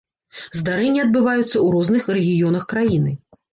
Здарэнні адбываюцца ў розных рэгіёнах краіны.